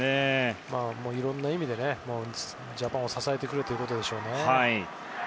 いろいろな意味でジャパンを支えてくれるということでしょうね。